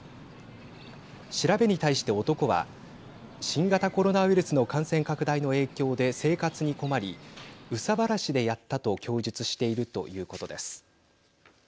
調べに対して男は新型コロナウイルスの感染拡大の影響で生活に困り憂さ晴らしでやったと供述しているということです。